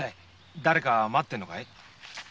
だれか待ってんのかい？